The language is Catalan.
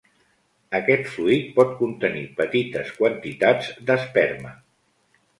Aquest fluid pot contenir petites quantitats d'esperma.